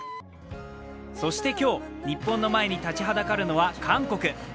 そして今日、日本の前に立ちはだかるのは韓国。